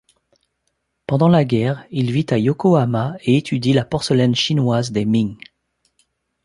Pendant la guerre, il vit à Yokohama et étudie la porcelaine chinoise des Ming.